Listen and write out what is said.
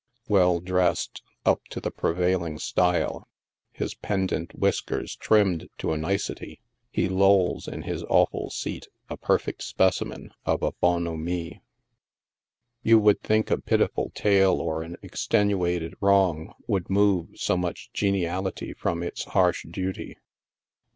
Well dressc Vl, up to the prevailing style, his pendant whiskers trimmed to a nicity, he lolls in his awful seat a perfect specimen of a bonhommie. You would think a pitiful tale or an extenuated wrong would move so much geniality from its harsh duty.